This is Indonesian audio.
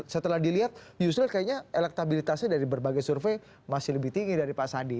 setelah dilihat yusril kayaknya elektabilitasnya dari berbagai survei masih lebih tinggi dari pak sandi